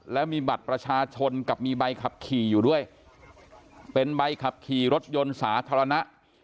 แล้วมีบัตรประชาชนกับมีใบขับขี่อยู่ด้วยเป็นใบขับขี่รถยนต์สาธารณะ